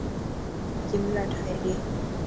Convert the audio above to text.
جملا ٺاهي ڏي.